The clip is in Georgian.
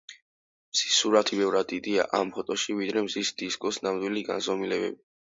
მზის სურათი ბევრად დიდია ამ ფოტოში, ვიდრე მზის დისკოს ნამდვილი განზომილებები.